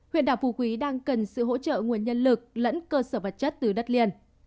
huyện đảo phù quý đang cần sự hỗ trợ nguồn nhân lực lẫn cơ sở vật chất từ đất liền